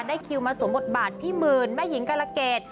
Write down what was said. คิวมาสวมบทบาทพี่หมื่นแม่หญิงกรเกต